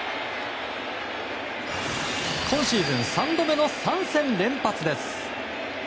今シーズン３度目の３戦連発です。